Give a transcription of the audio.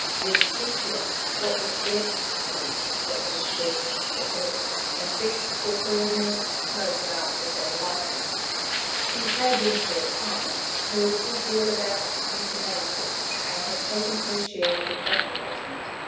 With Sepia, what was best meant what was best for her, and best for her meant most after her liking. She had in her time heard a good deal about euthanasia, and had taken her share in advocating it.